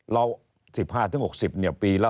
เรา๑๕๖๐ปีละ